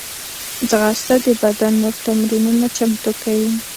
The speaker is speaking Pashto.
ځغاسته د بدن نور تمرینونه چمتو کوي